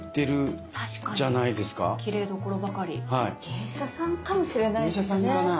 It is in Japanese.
芸者さんかもしれないですね。